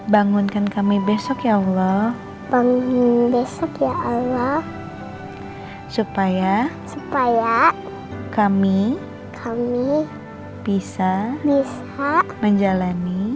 bangunkan kami besok ya allah tanggung besok ya allah supaya kami kami bisa menjalani